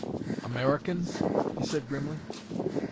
"Americans?" he said grimly.